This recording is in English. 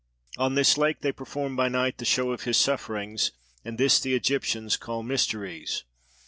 On this lake they perform by night the show of his sufferings, and this the Egyptians call Mysteries.